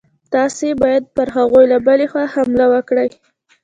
تاسي باید پر هغوی له بلې خوا حمله وکړئ.